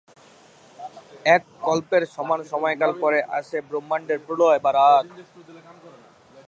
এক কল্পের সমান সময়কাল পরে আসে ব্রহ্মাণ্ডের প্রলয় বা রাত।